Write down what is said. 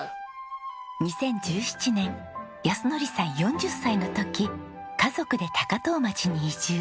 ２０１７年靖典さん４０歳の時家族で高遠町に移住。